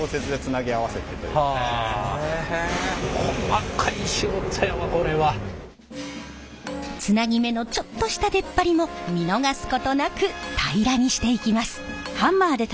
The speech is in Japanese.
毎回毎回つなぎ目のちょっとした出っ張りも見逃すことなく平らにしていきます。